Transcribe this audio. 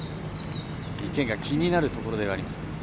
池が気になるところではありますが。